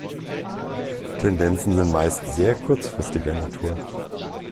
Tendenzen sind meist sehr kurzfristiger Natur.